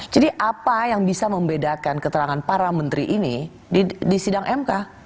jadi apa yang bisa membedakan keterangan para menteri ini di sidang mk